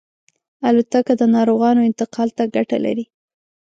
الوتکه د ناروغانو انتقال ته ګټه لري.